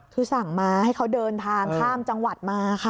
คือสั่งมาให้เขาเดินทางข้ามจังหวัดมาค่ะ